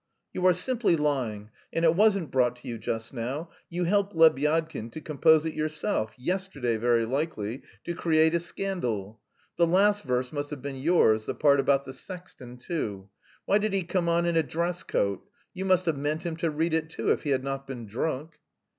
"You are simply lying, and it wasn't brought to you just now. You helped Lebyadkin to compose it yourself, yesterday very likely, to create a scandal. The last verse must have been yours, the part about the sexton too. Why did he come on in a dress coat? You must have meant him to read it, too, if he had not been drunk?"